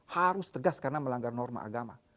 harus tegas karena melanggar norma agama